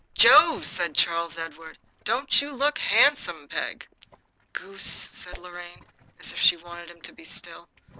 "Jove!" said Charles Edward. "Don't you look handsome, Peg!" "Goose!" said Lorraine, as if she wanted him to be still.